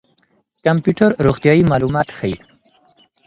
کمپيوټر روغتيايي معلومات ښيي.